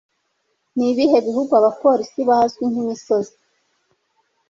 Nibihe bihugu abapolisi bazwi nkimisozi?